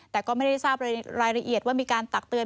แต่ก็ไม่ได้รู้ละละหิ่นว่ามีการตักเตือน